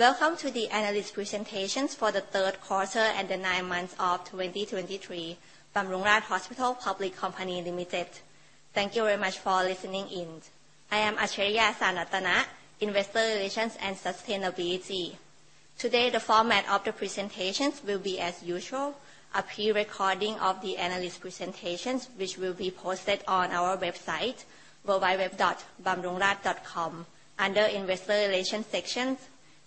Welcome to the analyst presentations for the Q3 and the nine months of 2023, Bumrungrad Hospital Public Company Limited. Thank you very much for listening in. I am Achiraya Sritratana, Investor Relations and Sustainability. Today, the format of the presentations will be as usual, a pre-recording of the analyst presentations, which will be posted on our website, www.bumrungrad.com, under Investor Relations sections.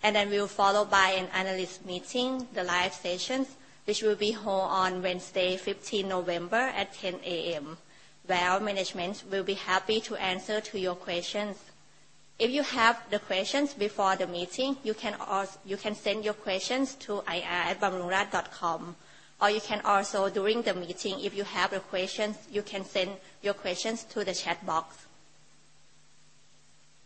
We will follow by an analyst meeting, the live sessions, which will be held on Wednesday, 15th November, at 10 A.M., where our management will be happy to answer to your questions. If you have the questions before the meeting, you can send your questions to ir@bumrungrad.com, or you can also, during the meeting, if you have a question, you can send your questions to the chat box.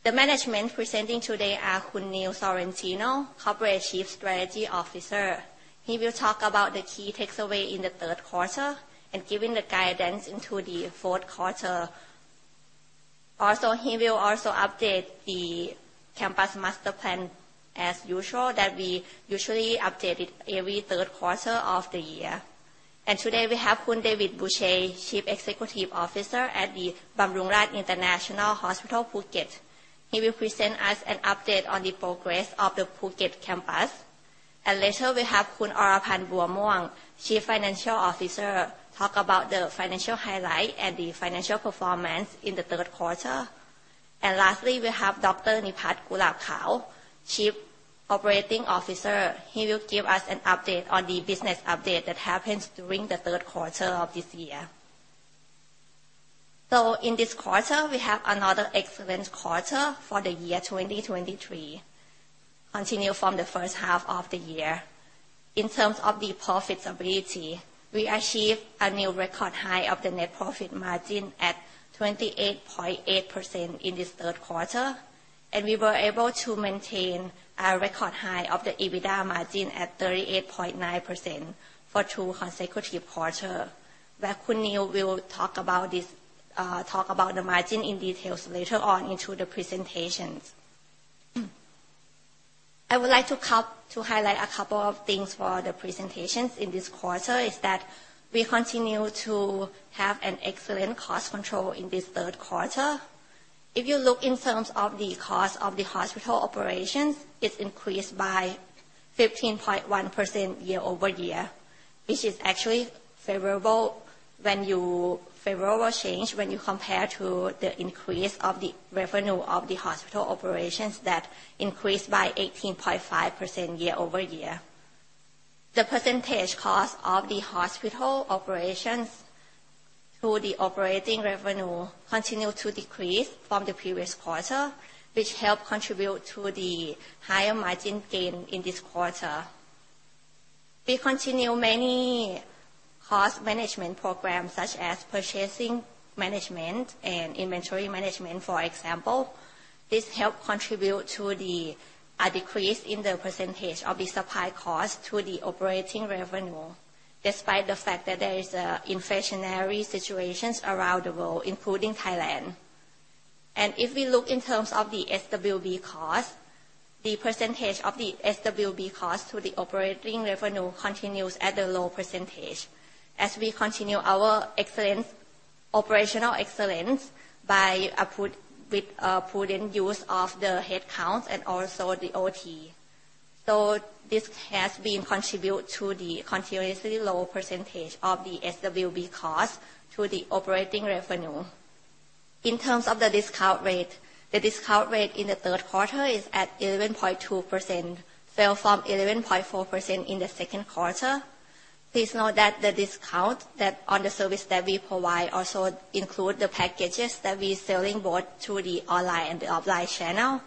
The management presenting today are Khun Neil Sorrentino, Corporate Chief Strategy Officer. He will talk about the key takes away in the Q3 and giving the guidance into the Q4. Also, he will also update the campus master plan as usual, that we usually update it every Q3 of the year. And today we have Khun David Boucher, Chief Executive Officer at the Bumrungrad International Hospital Phuket. He will present us an update on the progress of the Phuket campus. And later, we have Khun Oraphan Buamuang, Chief Financial Officer, talk about the financial highlight and the financial performance in the Q3. And lastly, we have Dr. Niphat Gulabkhaw, Chief Operating Officer. He will give us an update on the business update that happens during the Q3 of this year. So in this quarter, we have another excellent quarter for the year 2023, continue from the first half of the year. In terms of the profitability, we achieved a new record high of the net profit margin at 28.8% in this Q3, and we were able to maintain a record high of the EBITDA margin at 38.9% for two consecutive quarter. Khun Neil will talk about this, talk about the margin in details later on into the presentations. I would like to highlight a couple of things for the presentations in this quarter, is that we continue to have an excellent cost control in this Q3. If you look in terms of the cost of the hospital operations, it's increased by 15.1% year-over-year, which is actually favorable change when you compare to the increase of the revenue of the hospital operations that increased by 18.5% year-over-year. The percentage cost of the hospital operations to the operating revenue continued to decrease from the previous quarter, which helped contribute to the higher margin gain in this quarter. We continue many cost management programs, such as purchasing management and inventory management, for example. This helped contribute to a decrease in the percentage of the supply cost to the operating revenue, despite the fact that there is an inflationary situations around the world, including Thailand. If we look in terms of the SWB cost, the percentage of the SWB cost to the operating revenue continues at a low percentage as we continue our excellence, operational excellence with a prudent use of the headcounts and also the OT. So this has been contribute to the continuously low percentage of the SWB cost to the operating revenue. In terms of the discount rate, the discount rate in the Q3 is at 11.2%, fell from 11.4% in the Q2. Please note that the discount that, on the service that we provide also include the packages that we're selling both through the online and the offline channel.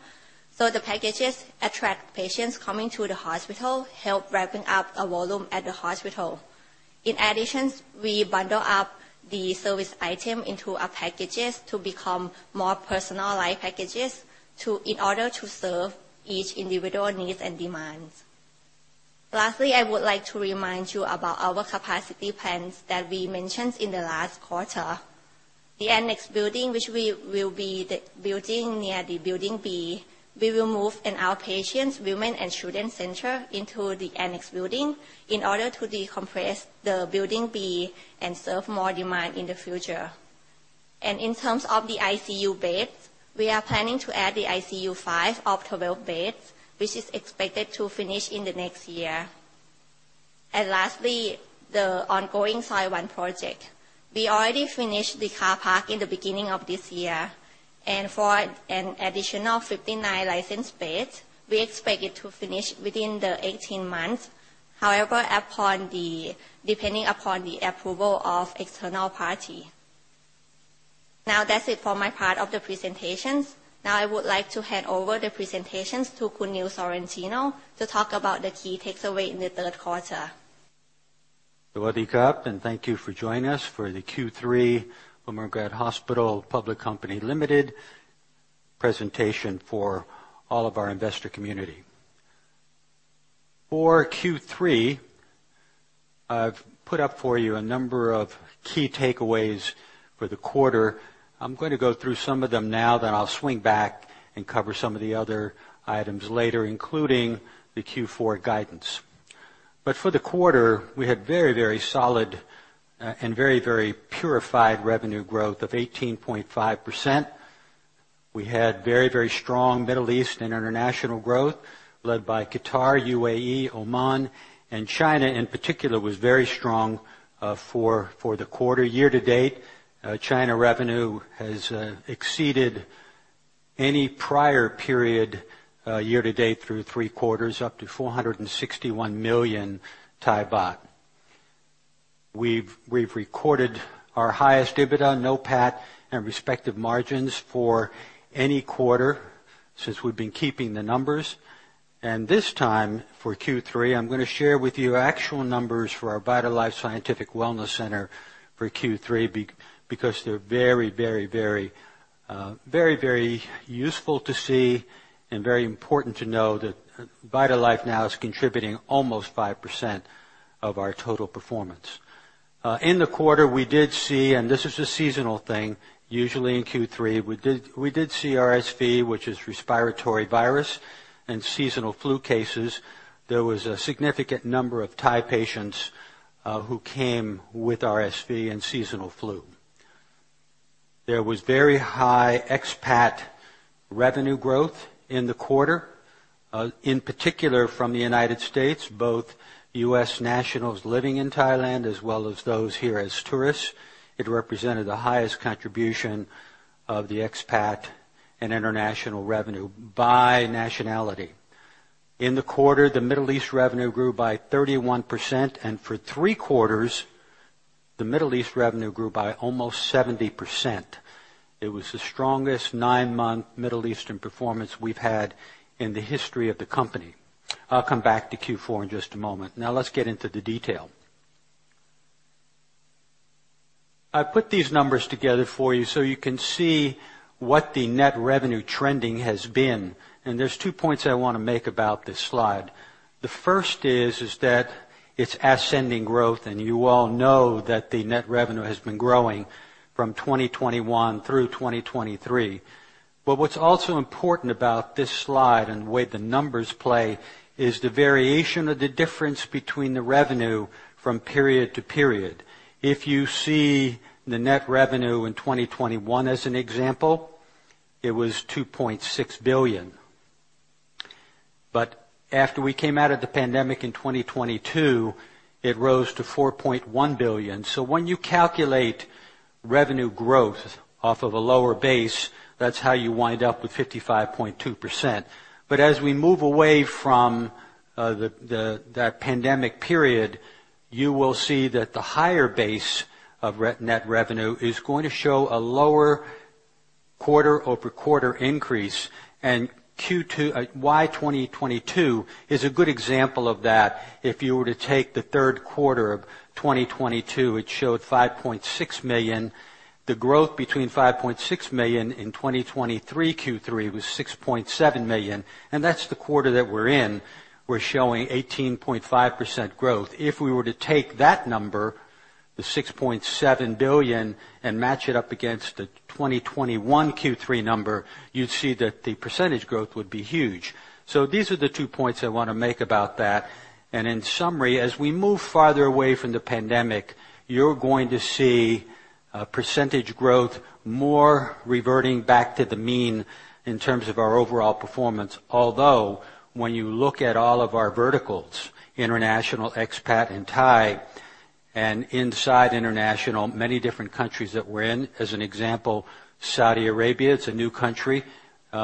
So the packages attract patients coming to the hospital, help wrapping up a volume at the hospital. In addition, we bundle up the service item into a packages to become more personalized packages to, in order to serve each individual needs and demands. Lastly, I would like to remind you about our capacity plans that we mentioned in the last quarter. The annex building, which we will be the building near the building B, we will move in our patients, women, and children center into the annex building in order to decompress the building B and serve more demand in the future. In terms of the ICU beds, we are planning to add the ICU 5 of 12 beds, which is expected to finish in the next year. Lastly, the ongoing Soi 1 project. We already finished the car park in the beginning of this year, and for an additional 59 licensed beds, we expect it to finish within the 18 months. However, upon the depending upon the approval of external party. Now, that's it for my part of the presentations. Now I would like to hand over the presentations to Kun Neil Sorrentino to talk about the key takeaways in the Q3. Thank you for joining us for the Q3 Bumrungrad Hospital Public Company Limited presentation for all of our investor community. For Q3, I've put up for you a number of key takeaways for the quarter. I'm going to go through some of them now, then I'll swing back and cover some of the other items later, including the Q4 guidance. For the quarter, we had very, very solid and very, very purified revenue growth of 18.5%. We had very, very strong Middle East and international growth, led by Qatar, UAE, Oman, and China, in particular, was very strong for the quarter. Year-to-date, China revenue has exceeded any prior period, year-to-date through three quarters, up to 461 million. We've recorded our highest EBITDA, NOPAT, and respective margins for any quarter since we've been keeping the numbers. And this time, for Q3, I'm gonna share with you actual numbers for our VitalLife Scientific Wellness Center for Q3, because they're very useful to see and very important to know that VitalLife now is contributing almost 5% of our total performance. In the quarter, we did see, and this is a seasonal thing, usually in Q3, we did see RSV, which is respiratory virus, and seasonal flu cases. There was a significant number of Thai patients who came with RSV and seasonal flu. There was very high expat revenue growth in the quarter, in particular from the United States, both U.S. nationals living in Thailand as well as those here as tourists. It represented the highest contribution of the expat and international revenue by nationality. In the quarter, the Middle East revenue grew by 31%, and for three quarters, the Middle East revenue grew by almost 70%. It was the strongest nine-month Middle Eastern performance we've had in the history of the company. I'll come back to Q4 in just a moment. Now, let's get into the detail. I put these numbers together for you so you can see what the net revenue trending has been, and there's two points I wanna make about this slide. The first is, is that it's ascending growth, and you all know that the net revenue has been growing from 2021 through 2023. But what's also important about this slide and the way the numbers play, is the variation of the difference between the revenue from period to period. If you see the net revenue in 2021 as an example, it was 2.6 billion. But after we came out of the pandemic in 2022, it rose to 4.1 billion. So when you calculate revenue growth off of a lower base, that's how you wind up with 55.2%. But as we move away from that pandemic period, you will see that the higher base of net revenue is going to show a lower quarter-over-quarter increase, and Q2 Y 2022 is a good example of that. If you were to take the Q3 of 2022, it showed 5.6 million. The growth between 5.6 million in 2023 Q3 was 6.7 million, and that's the quarter that we're in. We're showing 18.5% growth. If we were to take that number, the 6.7 billion, and match it up against the 2021 Q3 number, you'd see that the percentage growth would be huge. So these are the two points I wanna make about that. In summary, as we move farther away from the pandemic, you're going to see a percentage growth more reverting back to the mean in terms of our overall performance. Although, when you look at all of our verticals, international, expat, and Thai, and inside international, many different countries that we're in, as an example, Saudi Arabia, it's a new country.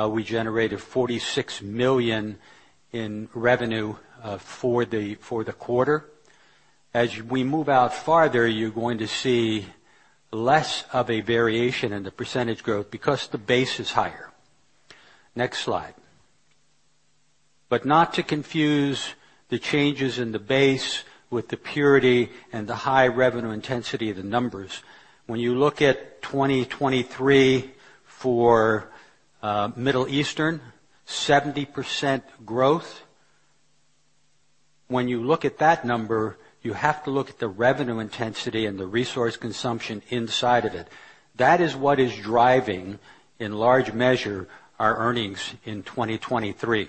We generated 46 million in revenue for the quarter. As we move out farther, you're going to see less of a variation in the percentage growth because the base is higher. Next slide. But not to confuse the changes in the base with the purity and the high revenue intensity of the numbers. When you look at 2023 for Middle Eastern, 70% growth, when you look at that number, you have to look at the revenue intensity and the resource consumption inside of it. That is what is driving, in large measure, our earnings in 2023.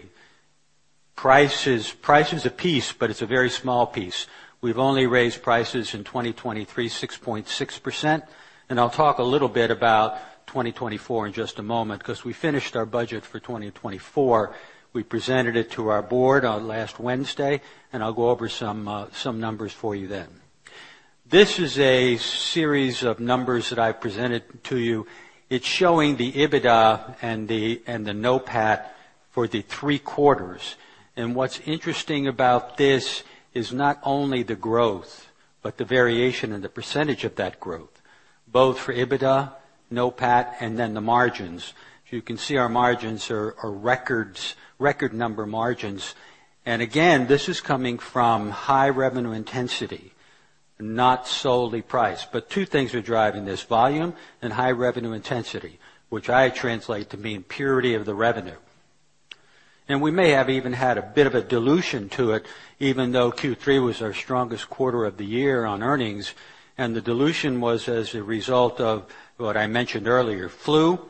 Price is, price is a piece, but it's a very small piece. We've only raised prices in 2023, 6.6%, and I'll talk a little bit about 2024 in just a moment, 'cause we finished our budget for 2024. We presented it to our board on last Wednesday, and I'll go over some numbers for you then. This is a series of numbers that I presented to you. It's showing the EBITDA and the NOPAT for the three quarters. And what's interesting about this is not only the growth, but the variation and the percentage of that growth, both for EBITDA, NOPAT, and then the margins. You can see our margins are record number margins. And again, this is coming from high revenue intensity, not solely price. But two things are driving this: volume and high revenue intensity, which I translate to mean purity of the revenue. And we may have even had a bit of a dilution to it, even though Q3 was our strongest quarter of the year on earnings, and the dilution was as a result of what I mentioned earlier, flu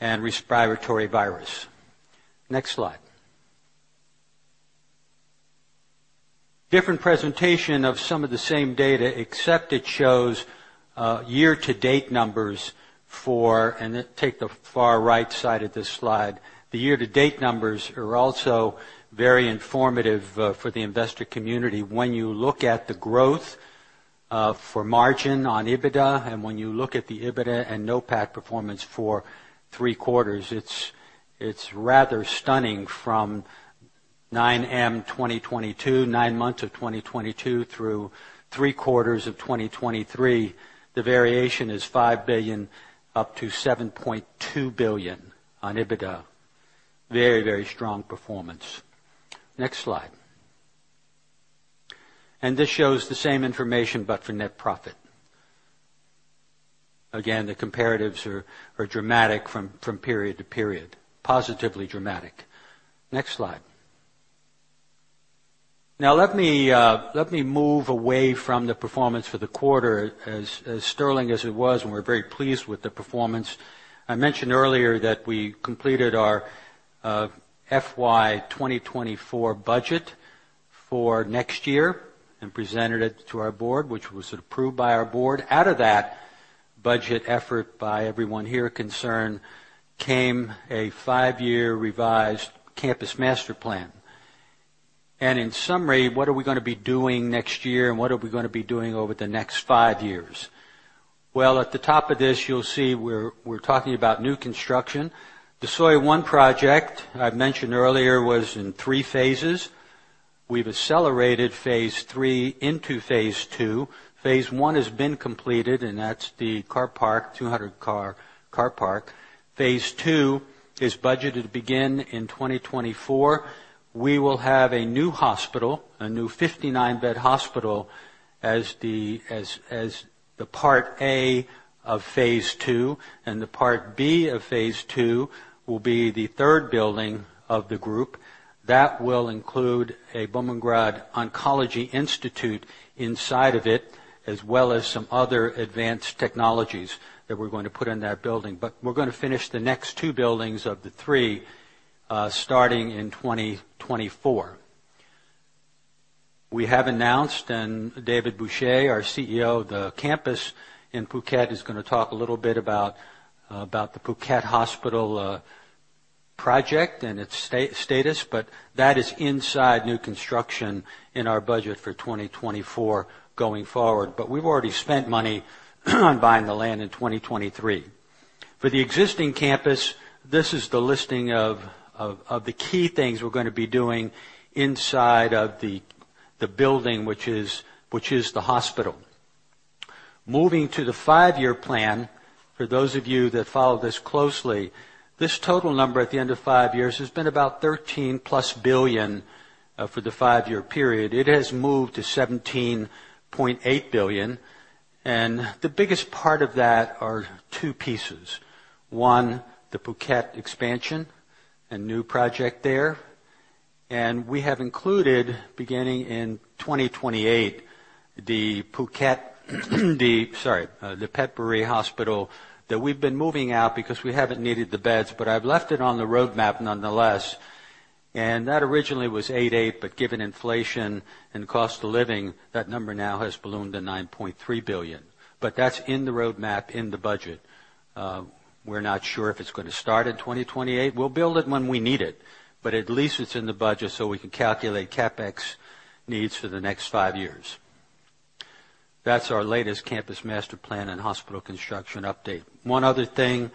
and respiratory virus. Next slide. Different presentation of some of the same data, except it shows year-to-date numbers, and then take the far right side of this slide. The year-to-date numbers are also very informative for the investor community. When you look at the growth for margin on EBITDA, and when you look at the EBITDA and NOPAT performance for three quarters, it's rather stunning from 9M 2022, 9 months of 2022 through three quarters of 2023, the variation is 5 billion, up to 7.2 billion on EBITDA. Very strong performance. Next slide. This shows the same information, but for net profit. Again, the comparatives are dramatic from period to period. Positively dramatic. Next slide. Now, let me move away from the performance for the quarter. As sterling as it was, and we're very pleased with the performance, I mentioned earlier that we completed our FY 2024 budget for next year and presented it to our board, which was approved by our board. Out of that budget effort by everyone here concerned came a five-year revised campus master plan. In summary, what are we gonna be doing next year, and what are we gonna be doing over the next five years? Well, at the top of this, you'll see we're talking about new construction. The Soi 1 project, I've mentioned earlier, was in three phases. We've accelerated phase III into phase II. phase I has been completed, and that's the car park, 200-car park. phase II is budgeted to begin in 2024. We will have a new hospital, a new 59-bed hospital, as the Part A of phase II, and the Part B of phase II will be the third building of the group. That will include a Bumrungrad Oncology Institute inside of it, as well as some other advanced technologies that we're going to put in that building. But we're gonna finish the next two buildings of the three, starting in 2024. We have announced, and David Boucher, our CEO of the campus in Phuket, is gonna talk a little bit about the Phuket Hospital project and its status, but that is inside new construction in our budget for 2024 going forward. But we've already spent money on buying the land in 2023. For the existing campus, this is the listing of the key things we're gonna be doing inside of the building, which is the hospital. Moving to the five-year plan, for those of you that follow this closely, this total number at the end of five years has been about 13+ billion for the five-year period. It has moved to 17.8 billion, and the biggest part of that are two pieces. One, the Phuket expansion and new project there. And we have included, beginning in 2028, the Phuket, the Phetchaburi Hospital, that we've been moving out because we haven't needed the beds, but I've left it on the roadmap nonetheless, and that originally was 880 million, but given inflation and cost of living, that number now has ballooned to 9.3 billion. But that's in the roadmap, in the budget. We're not sure if it's gonna start in 2028. We'll build it when we need it, but at least it's in the budget, so we can calculate CapEx needs for the next five years. That's our latest campus master plan and hospital construction update. One other thing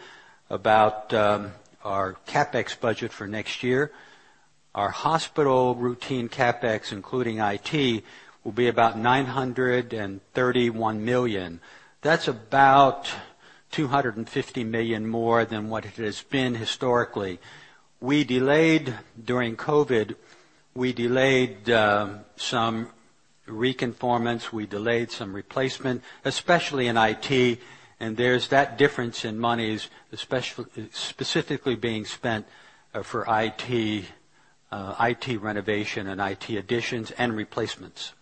about our CapEx budget for next year. Our hospital routine CapEx, including IT, will be about 931 million. That's about 250 million more than what it has been historically. We delayed, during COVID, we delayed some reconfiguration, we delayed some replacement, especially in IT, and there's that difference in monies, specifically being spent for IT, IT renovation, and IT additions, and replacements.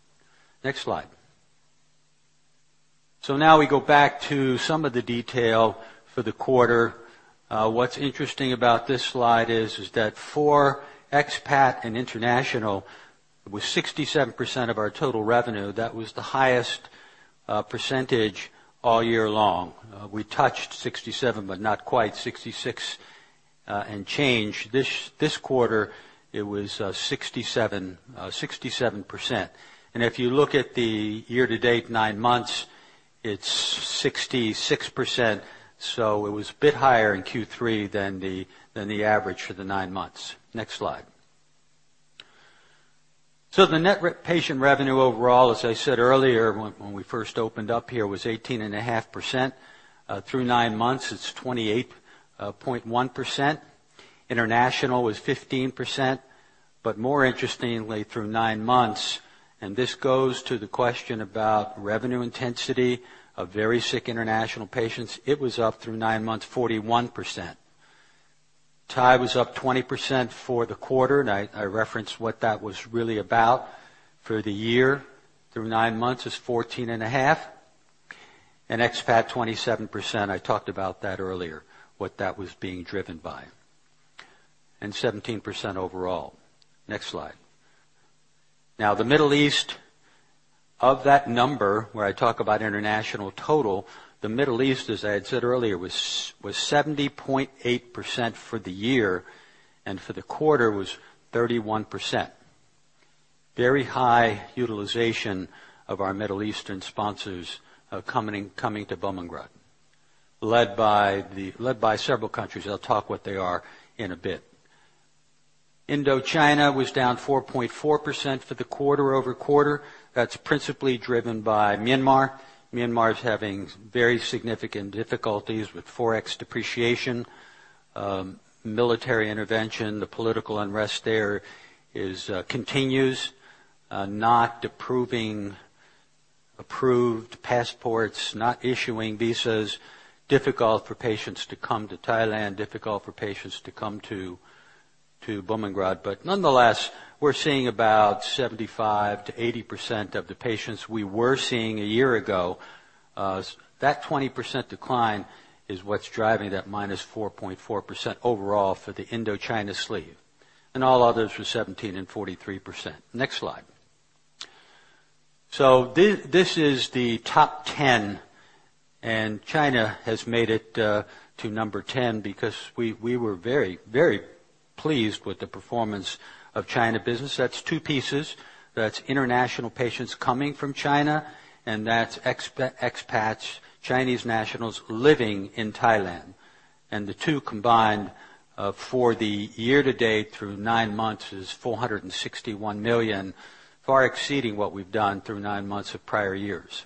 Next slide. So now we go back to some of the detail for the quarter. What's interesting about this slide is that for expat and international, with 67% of our total revenue, that was the highest percentage all year long. We touched 67, but not quite 66 and change. This quarter, it was 67%. And if you look at the year-to-date, nine months, it's 66%, so it was a bit higher in Q3 than the average for the nine months. Next slide. So the net patient revenue overall, as I said earlier when we first opened up here, was 18.5%. Through nine months, it's 28.1%. International was 15%. But more interestingly, through nine months, and this goes to the question about revenue intensity of very sick international patients, it was up through nine months, 41%. Thai was up 20% for the quarter, and I referenced what that was really about. For the year, through nine months, it's 14.5, and expat, 27%. I talked about that earlier, what that was being driven by. And 17% overall. Next slide. Now, the Middle East, of that number, where I talk about international total, the Middle East, as I had said earlier, was 70.8% for the year, and for the quarter was 31%. Very high utilization of our Middle Eastern sponsors, coming to Bumrungrad, led by several countries. I'll talk what they are in a bit. Indochina was down 4.4% for the quarter quarter-over-quarter. That's principally driven by Myanmar. Myanmar is having very significant difficulties with forex depreciation, military intervention. The political unrest there is, continues, not approving approved passports, not issuing visas. Difficult for patients to come to Thailand, difficult for patients to come to Bumrungrad. But nonetheless, we're seeing about 75%-80% of the patients we were seeing a year ago. That 20% decline is what's driving that -4.4% overall for the Indochina sleeve, and all others were 17% and 43%. Next slide. So this is the top 10, and China has made it to number 10 because we were very, very pleased with the performance of China business. That's two pieces. That's international patients coming from China, and that's expats, Chinese nationals living in Thailand. The two combined, for the year-to-date through nine months, is 461 million, far exceeding what we've done through nine months of prior years.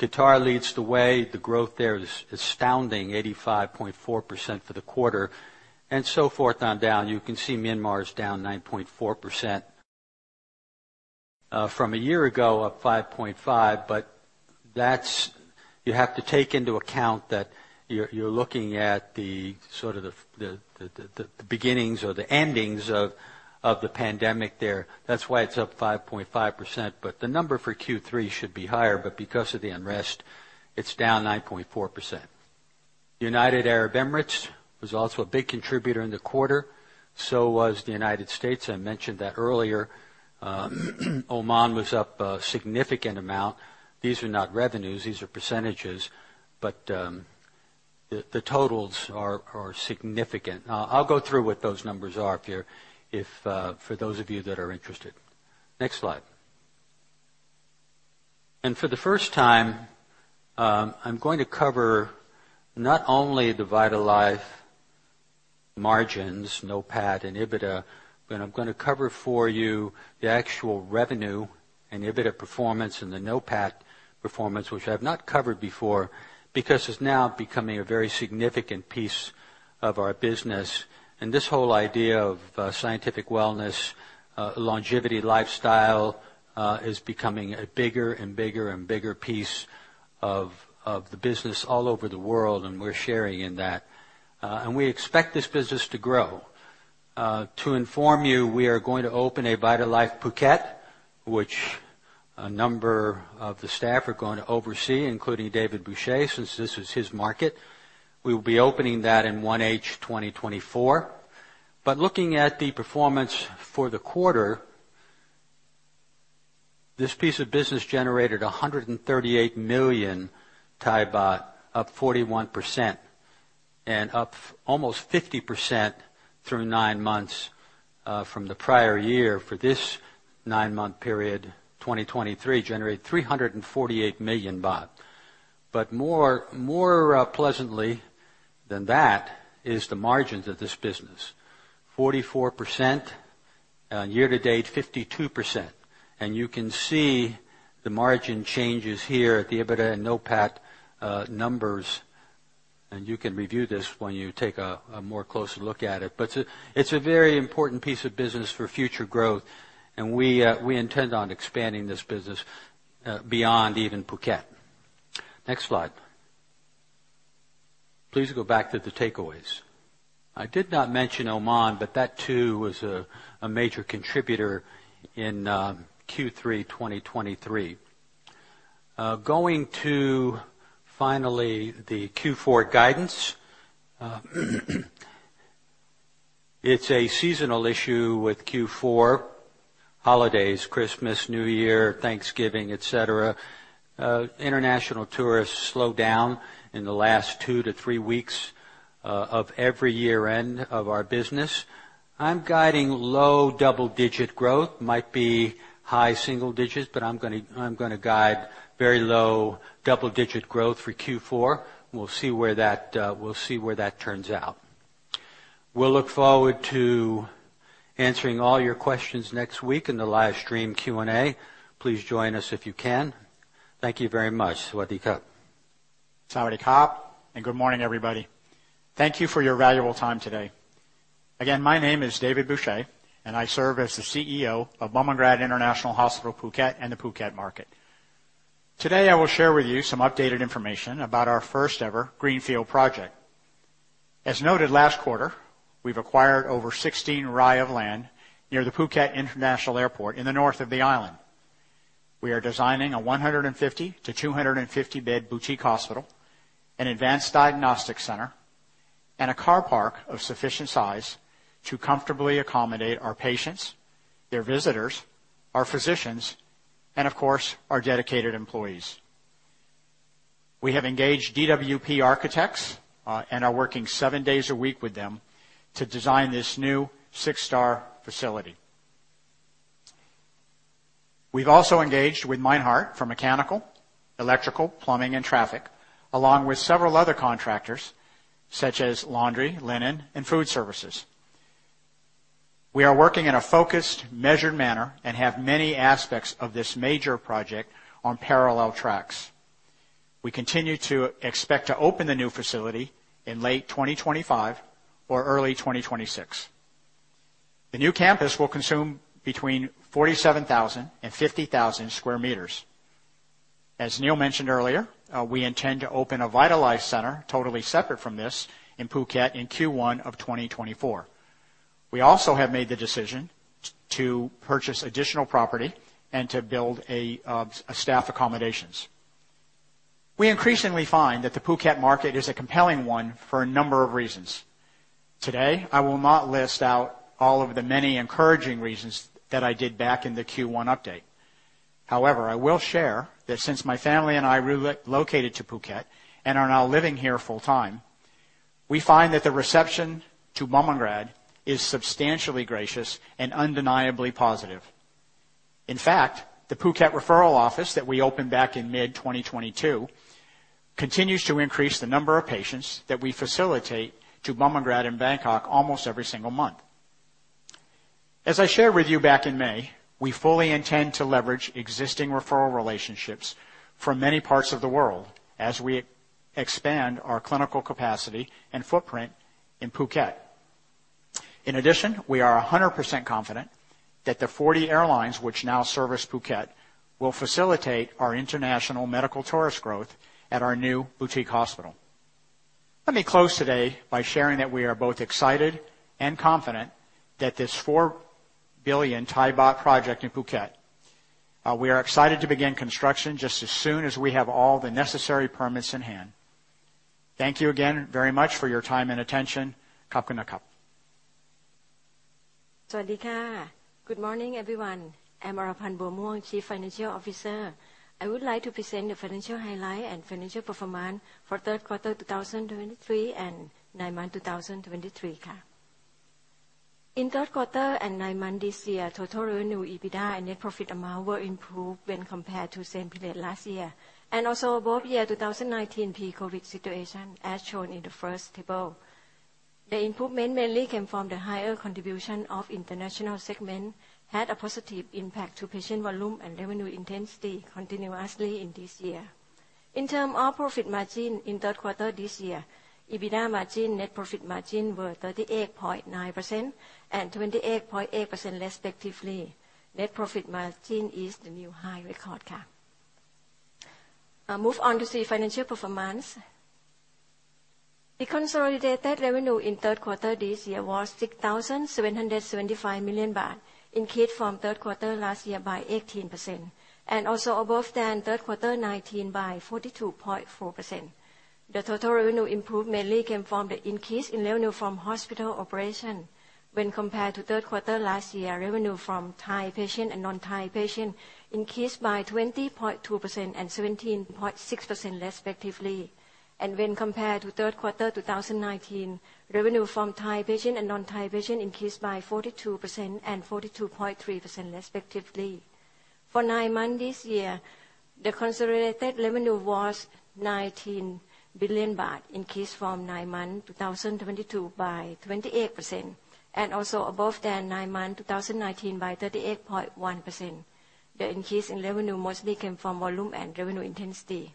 Qatar leads the way. The growth there is astounding, 85.4% for the quarter, and so forth on down. You can see Myanmar is down 9.4%. From a year ago, up 5.5, but that's. You have to take into account that you're looking at the sort of the beginnings or the endings of the pandemic there. That's why it's up 5.5%, but the number for Q3 should be higher, but because of the unrest, it's down 9.4%. United Arab Emirates was also a big contributor in the quarter, so was the United States. I mentioned that earlier. Oman was up a significant amount. These are not revenues, these are percentages, but the totals are significant. I'll go through what those numbers are, Pierre, if for those of you that are interested. Next slide. And for the first time, I'm going to cover not only the VitalLife margins, NOPAT, and EBITDA, but I'm gonna cover for you the actual revenue and EBITDA performance and the NOPAT performance, which I've not covered before, because it's now becoming a very significant piece of our business. And this whole idea of scientific wellness, longevity, lifestyle is becoming a bigger and bigger and bigger piece of the business all over the world, and we're sharing in that. And we expect this business to grow. To inform you, we are going to open a VitalLife Phuket, which a number of the staff are going to oversee, including David Boucher, since this is his market. We will be opening that in 1H 2024. But looking at the performance for the quarter, this piece of business generated 138 million baht, up 41%, and up almost 50% through nine months, from the prior year. For this nine-month period, 2023, generated 348 million baht. But more pleasantly than that is the margins of this business, 44%, year-to-date, 52%. And you can see the margin changes here at the EBITDA and NOPAT numbers, and you can review this when you take a more closer look at it. But it's a very important piece of business for future growth, and we intend on expanding this business beyond even Phuket. Next slide. Please go back to the takeaways. I did not mention Oman, but that too was a major contributor in Q3, 2023. Going to finally the Q4 guidance. It's a seasonal issue with Q4, holidays, Christmas, New Year, Thanksgiving, et cetera. International tourists slow down in the last two to three weeks of every year-end of our business. I'm guiding low double-digit growth. Might be high single digits, but I'm gonna guide very low double-digit growth for Q4. We'll see where that turns out. We'll look forward to answering all your questions next week in the live stream Q&A. Please join us if you can. Thank you very much. Sawasdee ka. Sawasdee khrap, and good morning, everybody. Thank you for your valuable time today. Again, my name is David Boucher, and I serve as the CEO of Bumrungrad International Hospital Phuket and the Phuket market. Today, I will share with you some updated information about our first-ever greenfield project. As noted last quarter, we've acquired over 16 rai of land near the Phuket International Airport in the north of the island. We are designing a 150- to 250-bed boutique hospital, an advanced diagnostic center, and a car park of sufficient size to comfortably accommodate our patients, their visitors, our physicians, and of course, our dedicated employees. We have engaged DWP Architects and are working seven days a week with them to design this new six-star facility. We've also engaged with Meinhardt for mechanical, electrical, plumbing, and traffic, along with several other contractors, such as laundry, linen, and food services. We are working in a focused, measured manner and have many aspects of this major project on parallel tracks. We continue to expect to open the new facility in late 2025 or early 2026. The new campus will consume between 47,000 and 50,000 square meters. As Neil mentioned earlier, we intend to open a VitalLife center, totally separate from this, in Phuket in Q1 of 2024. We also have made the decision to purchase additional property and to build a staff accommodations. We increasingly find that the Phuket market is a compelling one for a number of reasons. Today, I will not list out all of the many encouraging reasons that I did back in the Q1 update. However, I will share that since my family and I relocated to Phuket and are now living here full-time, we find that the reception to Bumrungrad is substantially gracious and undeniably positive. In fact, the Phuket referral office that we opened back in mid-2022, continues to increase the number of patients that we facilitate to Bumrungrad in Bangkok almost every single month. As I shared with you back in May, we fully intend to leverage existing referral relationships from many parts of the world as we expand our clinical capacity and footprint in Phuket. In addition, we are 100% confident that the 40 airlines which now service Phuket, will facilitate our international medical tourist growth at our new boutique hospital. Let me close today by sharing that we are both excited and confident that this 4 billion project in Phuket, we are excited to begin construction just as soon as we have all the necessary permits in hand. Thank you again very much for your time and attention. Khop khun khrap. Sawasdee kha. Good morning, everyone. I'm Oraphan Buamuang, Chief Financial Officer. I would like to present the financial highlight and financial performance for Q3 2023 and nine months 2023 kha. In Q3 and nine months this year, total revenue, EBITDA, and net profit amount were improved when compared to same period last year, and also above year 2019 pre-COVID situation, as shown in the first table. The improvement mainly came from the higher contribution of international segment, had a positive impact to patient volume and revenue intensity continuously in this year. In terms of profit margin, in Q3 this year, EBITDA margin, net profit margin were 38.9% and 28.8% respectively. Net profit margin is the new high record kha. Move on to see financial performance. The consolidated revenue in Q3 this year was 6,775 million baht, increased from Q3 last year by 18%, and also above than Q3 2019 by 42.4%. The total revenue improvement mainly came from the increase in revenue from hospital operation. When compared to Q3 last year, revenue from Thai patient and non-Thai patient increased by 20.2% and 17.6%, respectively. When compared to Q3 2019, revenue from Thai patient and non-Thai patient increased by 42% and 42.3%, respectively. For nine months this year, the consolidated revenue was 19 billion baht, increased from nine months 2022 by 28%, and also above than nine months 2019 by 38.1%. The increase in revenue mostly came from volume and revenue intensity.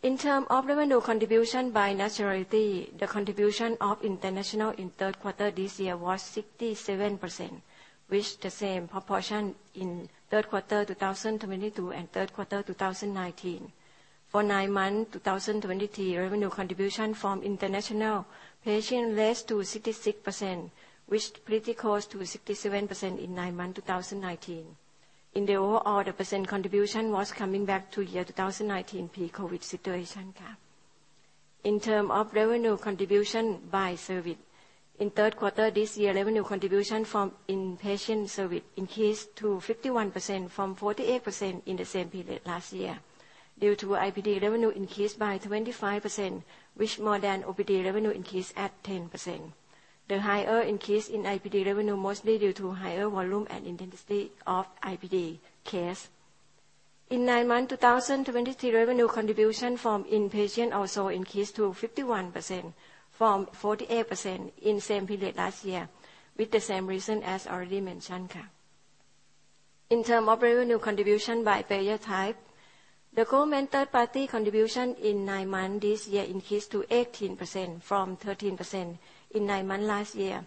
In terms of revenue contribution by nationality, the contribution of international in Q3 this year was 67%, which the same proportion in Q3 2022 and Q3 2019. For nine months 2023, revenue contribution from international patient raised to 66%, which pretty close to 67% in nine months 2019. In the overall, the percent contribution was coming back to year 2019 pre-COVID situation kha. In terms of revenue contribution by service, in Q3 this year, revenue contribution from inpatient service increased to 51% from 48% in the same period last year, due to IPD revenue increased by 25%, which more than OPD revenue increase at 10%. The higher increase in IPD revenue, mostly due to higher volume and intensity of IPD case. In nine months 2023, revenue contribution from inpatient also increased to 51% from 48% in same period last year, with the same reason as already mentioned. In terms of revenue contribution by payer type, the government third party contribution in nine months this year increased to 18% from 13% in nine months last year,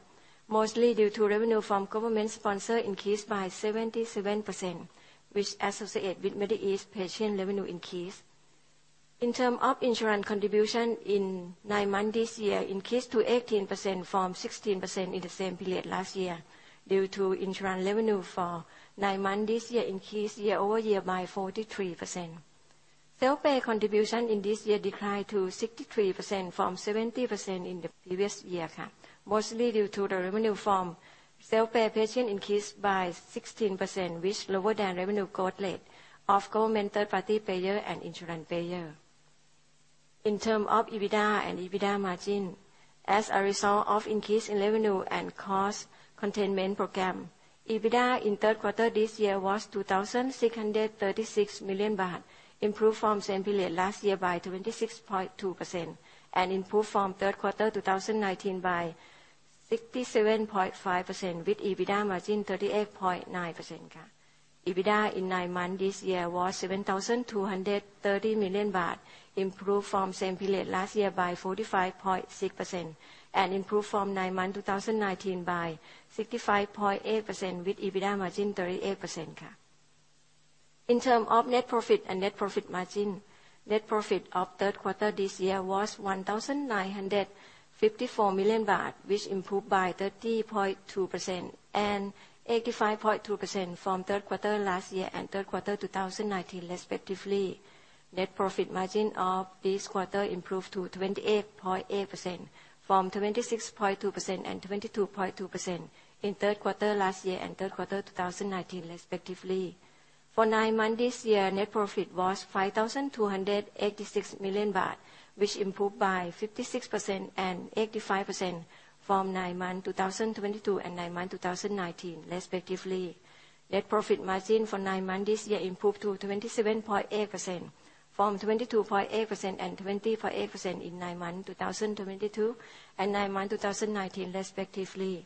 mostly due to revenue from government sponsor increased by 77%, which associate with Middle East patient revenue increase. In terms of insurance contribution in nine months this year increased to 18% from 16% in the same period last year, due to insurance revenue for nine months this year increased year-over-year by 43%. Self-pay contribution in this year declined to 63% from 70% in the previous year, mostly due to the revenue from self-pay patient increased by 16%, which lower than revenue growth rate of government third party payer and insurance payer. In term of EBITDA and EBITDA margin, as a result of increase in revenue and cost containment program, EBITDA in Q3 this year was 2,636 million baht, improved from same period last year by 26.2%, and improved from Q3 2019 by 67.5%, with EBITDA margin 38.9%. EBITDA in nine months this year was 7,230 million baht, improved from same period last year by 45.6%, and improved from nine months 2019 by 65.8%, with EBITDA margin 38%. In terms of net profit and net profit margin, net profit of Q3 this year was 1,954 million baht, which improved by 30.2% and 85.2% from Q3 last year and Q3 2019, respectively. Net profit margin of this quarter improved to 28.8% from 26.2% and 22.2% in Q3 last year and Q3 2019, respectively. For nine months this year, net profit was 5,286 million baht, which improved by 56% and 85% from nine months 2022 and nine months 2019, respectively. Net profit margin for nine months this year improved to 27.8% from 22.8% and 24.8% in nine months 2022 and nine months 2019, respectively.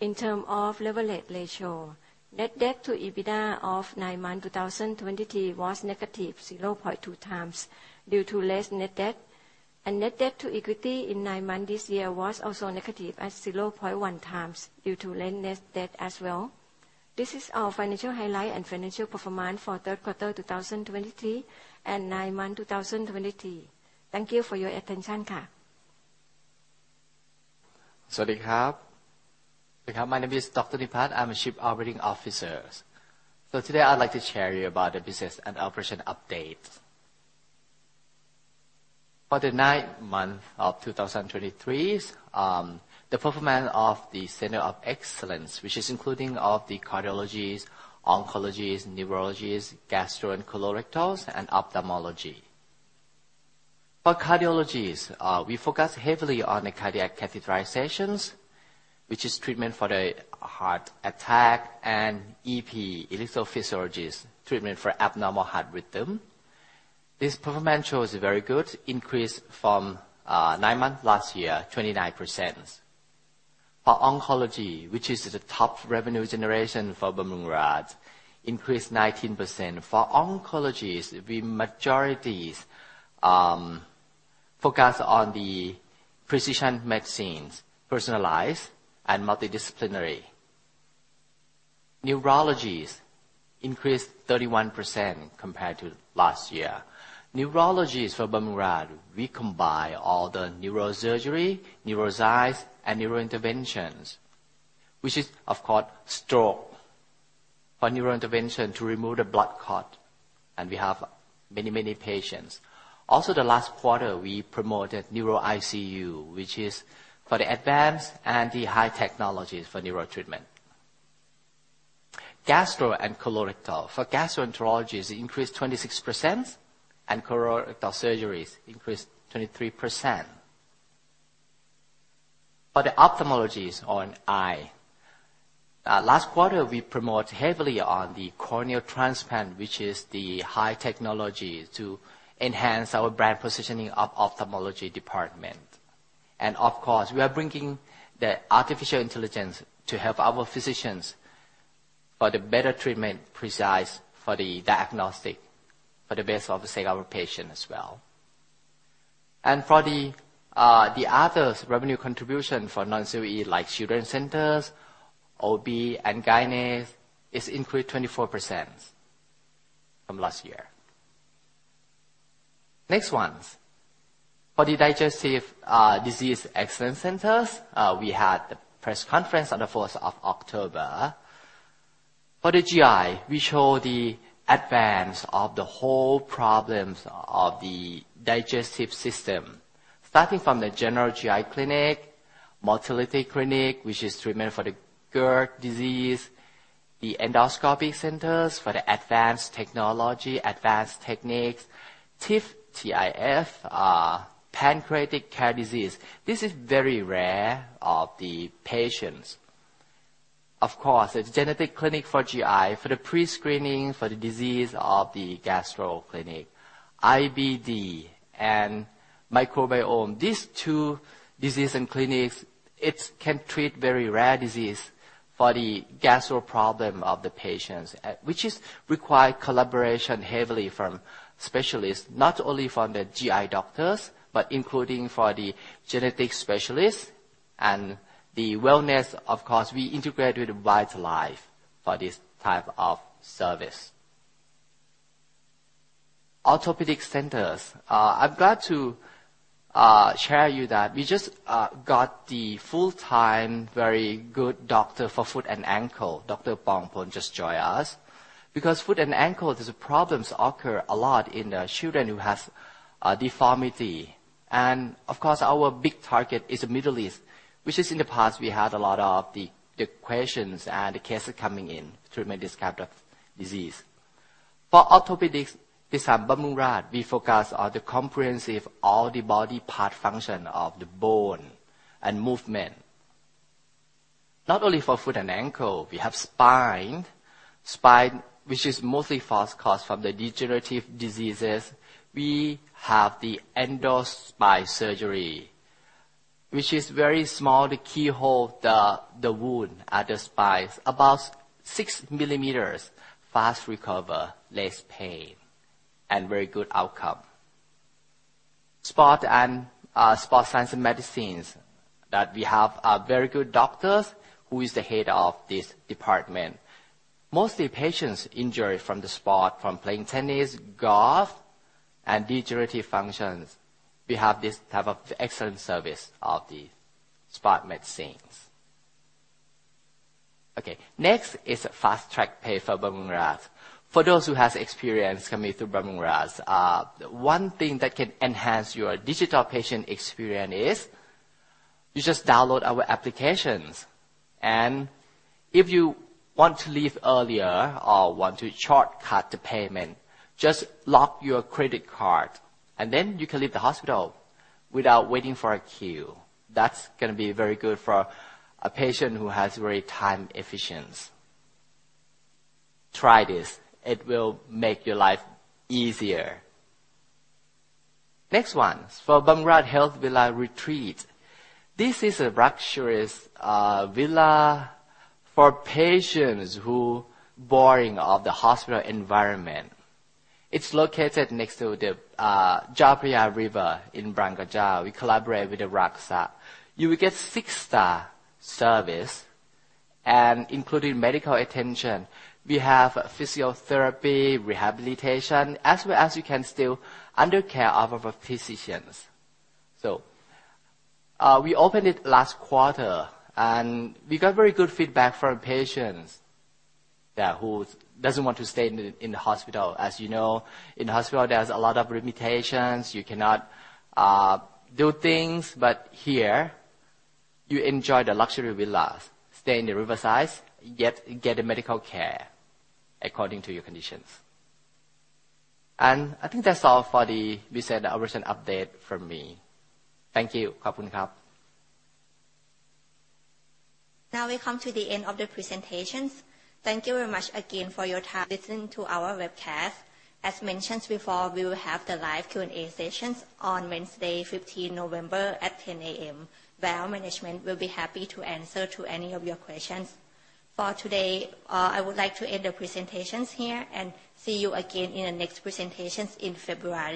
In terms of leverage ratio, net debt to EBITDA of nine months 2023 was -0.2x due to less net debt, and net debt to equity in nine months this year was also - 0.1xdue to less net debt as well. This is our financial highlight and financial performance for Q3 2023 and nine months 2023. Thank you for your attention. My name is Dr. Nipat. I'm a Chief Operating Officer. So today, I'd like to share you about the business and operation update. For the nine months of 2023, the performance of the center of excellence, which is including of the cardiologies, oncologies, neurologies, gastro and colorectals, and ophthalmology. For cardiologies, we focus heavily on the cardiac catheterizations, which is treatment for the heart attack and EP, electrophysiology, treatment for abnormal heart rhythm. This performance shows a very good increase from nine months last year, 29%. For oncology, which is the top revenue generation for Bumrungrad, increased 19%. For oncologies, we majorities focus on the precision medicines, personalized and multidisciplinary. Neurologies increased 31% compared to last year. Neurology for Bumrungrad, we combine all the neurosurgery, neuroscience, and neurointerventions, which is, of course, stroke for neurointervention to remove the blood clot, and we have many, many patients. Also, the last quarter, we promoted neuro ICU, which is for the advanced and the high technologies for neuro treatment. Gastro and colorectal. For gastroenterology, increased 26%, and colorectal surgeries increased 23%. For the ophthalmology on eye, last quarter, we promote heavily on the corneal transplant, which is the high technology to enhance our brand positioning of ophthalmology department. And of course, we are bringing the artificial intelligence to help our physicians for the better treatment, precise for the diagnostic, for the best sake of our patient as well. And for the others, revenue contribution for non-COE like children's centers, OB and gyne, is increased 24% from last year. Next ones, for the digestive disease excellence centers, we had a press conference on the October 1. For the GI, we show the advance of the whole problems of the digestive system, starting from the general GI clinic, motility clinic, which is treatment for the GERD disease, the endoscopy centers for the advanced technology, advanced techniques, TIF, TIF, pancreatic care disease. This is very rare of the patients. Of course, it's genetic clinic for GI, for the pre-screening, for the disease of the gastro clinic, IBD and microbiome. These two disease and clinics, it can treat very rare disease for the gastro problem of the patients, which is require collaboration heavily from specialists, not only from the GI doctors, but including for the genetic specialists and the wellness. Of course, we integrate with VitalLife for this type of service. Orthopedic centers. I'm glad to share with you that we just got the full-time, very good doctor for foot and ankle. Dr. Pongporn just joined us. Because foot and ankle, there's problems occur a lot in the children who has a deformity. And of course, our big target is the Middle East, which in the past, we had a lot of the questions and the cases coming in to make this kind of disease. For orthopedics, at Bumrungrad, we focus on the comprehensive, all the body part function of the bone and movement. Not only for foot and ankle, we have spine. Spine, which is mostly caused from the degenerative diseases. We have the endoscopic spine surgery, which is very small, the keyhole, the wound at the spine, about 6 mm, fast recovery, less pain, and very good outcome. Sports and sport science and medicine, that we have a very good doctors, who is the head of this department. Mostly patients injury from the sport, from playing tennis, golf, and degenerative functions. We have this type of excellent service of the sport medicine. Okay, next is Fast Track Pay for Bumrungrad. For those who has experience coming to Bumrungrad, one thing that can enhance your digital patient experience is, you just download our applications. And if you want to leave earlier or want to shortcut the payment, just lock your credit card, and then you can leave the hospital without waiting for a queue. That's going to be very good for a patient who has very time efficient. Try this. It will make your life easier. Next one, for Bumrungrad Health Villa Retreat. This is a luxurious villa for patients who boring of the hospital environment. It's located next to the Chao Phraya River in Bang Krachao. We collaborate with the RAKxa. You will get six-star service and including medical attention. We have physiotherapy, rehabilitation, as well as you can still under care of our physicians. So, we opened it last quarter, and we got very good feedback from patients, yeah, who doesn't want to stay in the hospital. As you know, in hospital, there's a lot of limitations. You cannot do things, but here, you enjoy the luxury villas, stay in the riversides, yet get the medical care according to your conditions. And I think that's all for the recent operation update from me. Thank you. Now we come to the end of the presentations. Thank you very much again for your time listening to our webcast. As mentioned before, we will have the live Q&A sessions on Wednesday, 15 November at 10 A.M., where our management will be happy to answer to any of your questions. For today, I would like to end the presentations here, and see you again in the next presentations in February.